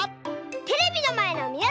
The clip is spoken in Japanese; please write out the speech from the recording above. テレビのまえのみなさん！